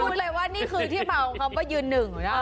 พูดเลยว่านี่คือที่เปล่าคำว่ายืนหนึ่ง